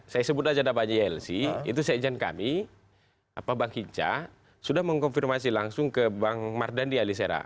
saya sebut aja ada banyai lsi itu sejen kami bang hinca sudah mengkonfirmasi langsung ke bang mardhani alisera